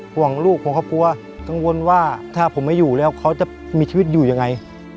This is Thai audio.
ห่วงลูกห่วงครอบครัวกังวลว่าถ้าผมไม่อยู่แล้วเขาจะมีชีวิตอยู่ยังไง